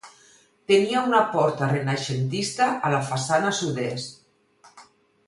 Tenia una porta renaixentista a la façana sud-est.